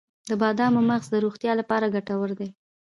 د بادامو مغز د روغتیا لپاره ګټور دی.